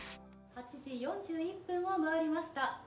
８時４１分を回りました。